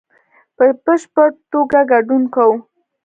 په بشپړ توګه ګډون کوو